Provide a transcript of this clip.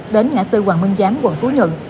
đến ngã tư hoàng minh giám quận phú nhuận